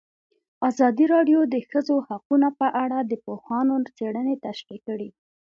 ازادي راډیو د د ښځو حقونه په اړه د پوهانو څېړنې تشریح کړې.